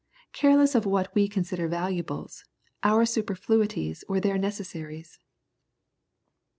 Careless of what we consider valuables, our superfluities were their necessaries.